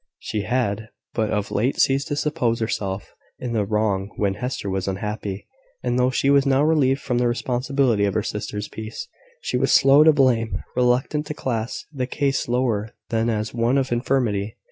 She had but of late ceased to suppose herself in the wrong when Hester was unhappy: and though she was now relieved from the responsibility of her sister's peace, she was slow to blame reluctant to class the case lower than as one of infirmity.